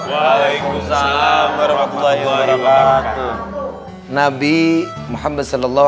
wa'alaikumussalam warahmatullahi wabarakatuh